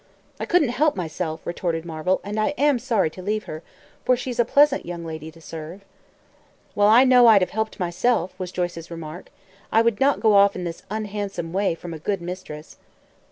"I couldn't help myself," retorted Marvel, "and I am sorry to leave her, for she's a pleasant young lady to serve." "Well, I know I'd have helped myself," was Joyce's remark. "I would not go off in this unhandsome way from a good mistress."